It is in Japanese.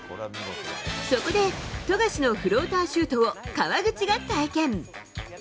そこで富樫のフローターシュートを川口が体験。